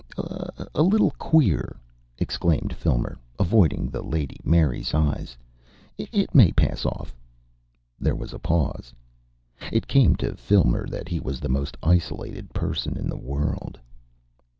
"A little queer," exclaimed Filmer, avoiding the Lady Mary's eyes. "It may pass off " There was a pause. It came to Filmer that he was the most isolated person in the world.